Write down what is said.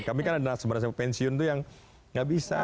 kami kan ada seberapa pensiun yang tidak bisa